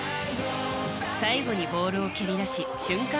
最後にボールを蹴り出し瞬間